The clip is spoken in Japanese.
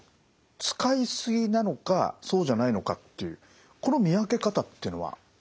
使いすぎなのかそうじゃないのかというこの見分け方というのはあるんですか？